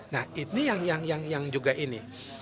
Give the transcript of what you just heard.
nah ini yang juga ini